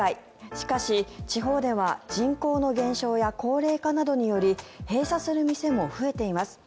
しかし、地方では人口の減少や高齢化などにより閉鎖する店も増えています。